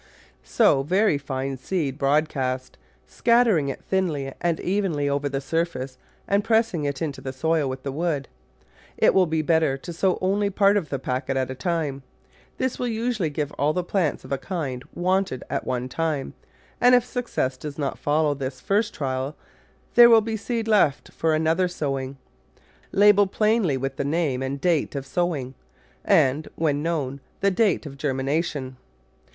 Sow very fine seed broadcast, scattering it thinly and evenly over the surface and pressing it into the soil with the wood. It will be better to sow only part of a packet at a time. This will usually give all the plants of a kind wanted at one time, and if suc cess does not follow this first trial there will be seed left for another sowing: Label plainly with the name and date of sowing, and, when known, the date of germination.